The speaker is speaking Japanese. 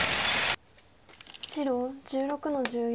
白１６の十四。